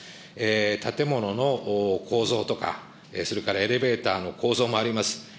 建物の構造とか、それからエレベーターの構造もあります。